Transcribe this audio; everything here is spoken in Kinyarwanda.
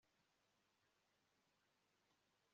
Uwo mudamu ashaka gukoresha bangahe